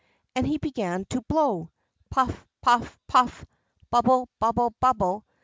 And he began to blow, "Puff, puff, puff! Bubble, bubble, bubble!"